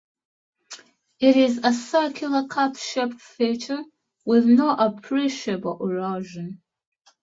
It is a circular, cup-shaped feature with no appreciable erosion.